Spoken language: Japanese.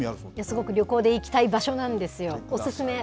すごく旅行で行きたい場所なんですよ。